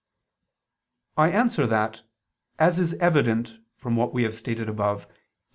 I answer that, As is evident from what we have stated above (Q.